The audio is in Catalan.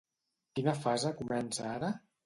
Quina fase comença ara?